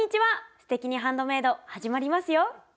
「すてきにハンドメイド」始まりますよ。